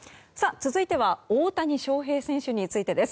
続いては大谷翔平選手についてです。